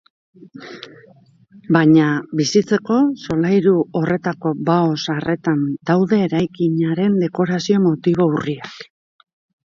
Baina, bizitzeko solairu horretako bao zaharretan daude eraikinaren dekorazio-motibo urriak.